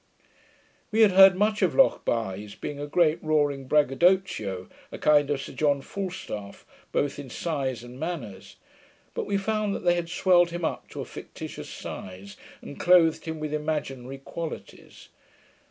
We had heard much of Lochbuy's being a great roaring braggadocio, a kind of Sir John Falstaff, both in size and manners; but we found that they had swelled him up to a fictitious size, and clothed him with imaginary qualities.